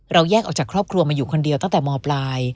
แยกออกจากครอบครัวมาอยู่คนเดียวตั้งแต่มปลาย